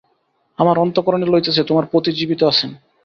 আমার অন্তঃকরণে লইতেছে তোমার পতি জীবিত আছেন।